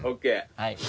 はい。